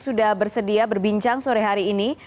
sudah bersedia berbincang sore hari ini